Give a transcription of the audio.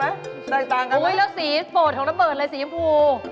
ต่างคะพี่คุณครับครับแล้วสีสบดของล้ำเบิดอะไรสีมรูห์